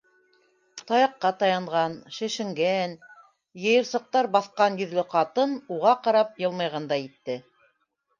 - Таяҡҡа таянған, шешенгән, йыйырсыҡтар баҫҡан йөҙлө ҡатын уға ҡарап йылмайғандай итте.